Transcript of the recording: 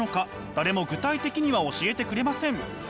誰も具体的には教えてくれません。